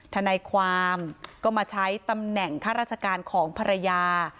ทนายความก็มาใช้ตำแหน่งข้าราชการของภรรยา